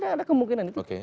ada kemungkinan itu